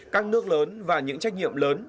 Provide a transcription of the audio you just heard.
các nước lớn và những trách nhiệm lớn